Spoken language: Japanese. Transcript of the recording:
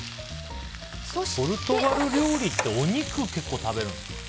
ポルトガル料理ってお肉を結構食べるんですか？